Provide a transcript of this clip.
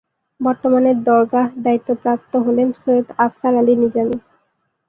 বর্তমানে দরগাহ দায়িত্বপ্রাপ্ত হলেন সৈয়দ আফসার আলী নিজামী।